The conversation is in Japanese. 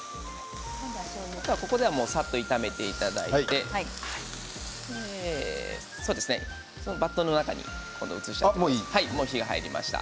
ここではさっと炒めていただいてバットの中に移してもう火が入りました。